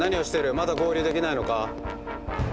まだ合流できないのか？」。